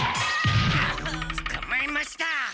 つかまえました！